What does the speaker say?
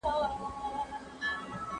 د ماشومانو وده د خوراک پورې تړلې ده.